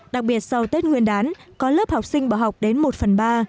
đặc biệt sau tết nguyên đán có lớp học sinh bỏ học đến một phần ba